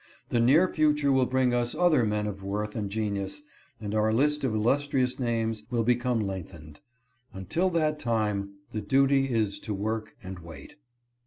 The near future will bring us other men of worth and genius, and our list of illustrious names will become lengthened. Until that time the duty is to work and wait.